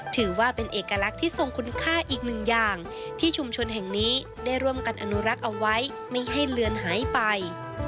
ถือว่าเป็นเอกลักษณ์ที่ทรงคุณค่าอีกหนึ่งอย่างที่ชุมชนแห่งนี้ได้ร่วมกันอนุรักษ์เอาไว้ไม่ให้เลือนหายไป